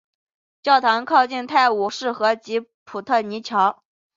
教堂靠近泰晤士河及普特尼桥。